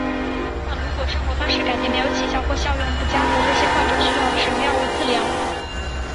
但如果生活方式改变没有起效或效用不佳则这些患者常需要使用药物治疗。